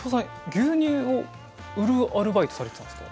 牛乳を売るアルバイトされてたんですか？